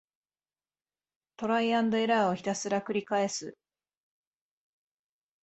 トライアンドエラーをひたすらくりかえす